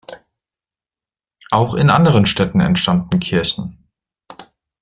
Auch in anderen Städten entstanden Kirchen.